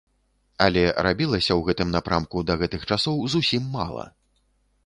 Але рабілася ў гэтым напрамку да гэтых часоў зусім мала.